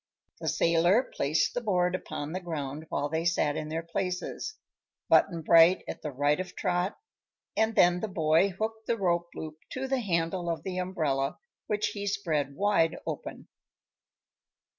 The sailor placed the board upon the ground while they sat in their places, Button Bright at the right of Trot, and then the boy hooked the rope loop to the handle of the umbrella, which he spread wide open.